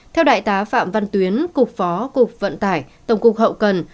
theo đại tá phạm văn tuyến cục phó cục vận tải tổng cục hậu cần